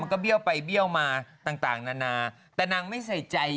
ก็เบี้ยวไปเบี้ยวมาต่างนานาแต่นางไม่ใส่ใจ